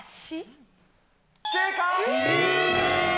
正解。